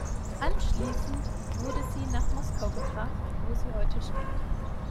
Anschließend wurde sie nach Moskau gebracht, wo sie heute steht.